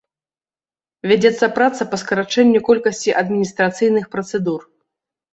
Вядзецца праца па скарачэнню колькасці адміністрацыйных працэдур.